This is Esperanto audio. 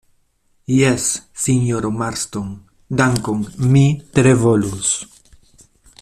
Jes, sinjoro Marston, dankon, mi tre volus.